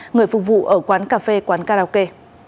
người phục vụ ở quán cà phê quán karaoke